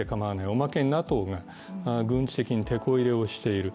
おまけにＮＡＴＯが軍事的にてこ入れをしている。